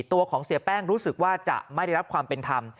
ตัวของเสียแป้งรู้สึกว่าจะไม่ได้รับความเป็นธรรม